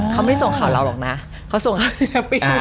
เขาไม่ส่งข่าวเราหรอกนะเขาส่งข่าวแฮปปี้